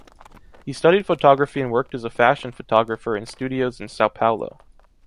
He studied photography and worked as a fashion photographer in studios in São Paulo.